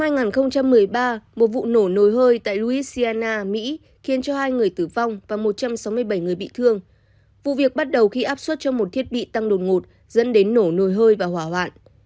năm hai nghìn một mươi ba một vụ nổ nồi hơi tại luisiana mỹ khiến cho hai người tử vong và một trăm sáu mươi bảy người bị thương vụ việc bắt đầu khi áp suất cho một thiết bị tăng đột ngột dẫn đến nổ nồi hơi và hỏa hoạn